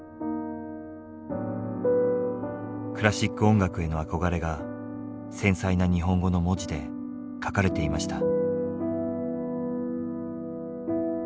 クラシック音楽への憧れが繊細な日本語の文字で書かれていました。